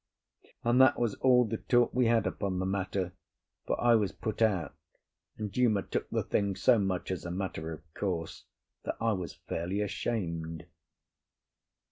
And that was all the talk we had upon the matter, for I was put out, and Uma took the thing so much as a matter of course that I was fairly ashamed.